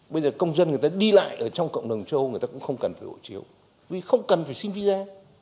bây giờ công dân người ta đi lại ở trong cộng đồng châu âu người ta cũng không cần phải hộ chiếu vì không cần phải xin visa